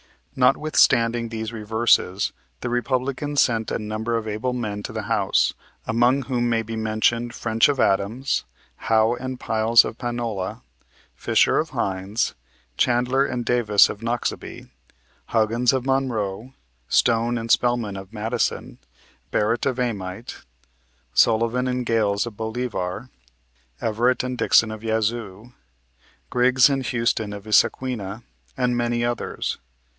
Notwithstanding these reverses, the Republicans sent a number of able men to the House, among whom may be mentioned French of Adams, Howe and Pyles of Panola, Fisher of Hinds, Chandler and Davis of Noxubee, Huggins of Monroe, Stone and Spelman of Madison, Barrett of Amite, Sullivan and Gayles of Bolivar, Everett and Dixon of Yazoo, Griggs and Houston of Issaquina, and many others.